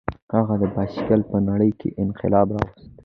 هغه د بایسکل په نړۍ کې انقلاب راوست.